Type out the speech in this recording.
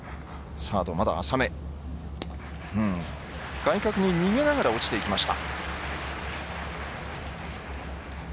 サードはまだ浅め外角に逃げながら落ちていきました。